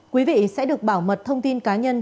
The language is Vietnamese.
quý vị sẽ được bảo mật thông tin cá nhân